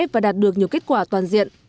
và đạt được nhiều kết quả toàn diện